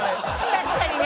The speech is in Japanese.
確かにね。